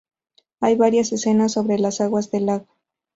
Hay varias escenas sobre las aguas del lago.